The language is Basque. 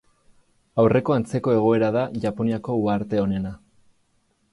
Aurreko antzeko egoera da Japoniako uharte honena.